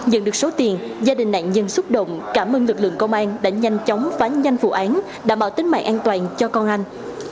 dần được số tiền gia đình nạn nhân xúc động cảm ơn lực lượng công an đã nhanh chóng phá nhanh vụ án đảm bảo tính mạng an toàn cho con anh